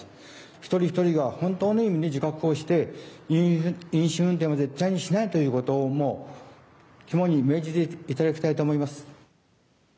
一人、一人が本当に自覚をして、飲酒運転を絶対にしないということをもう肝に銘じていただきたいと思います。